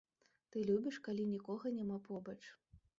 Ты любіш, калі нікога няма побач.